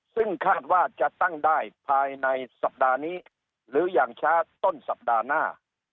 ซึ่งคาดว่าจะตั้งได้ภายในสัปดาห์นี้หรืออย่างช้าต้นสัปดาห์หน้า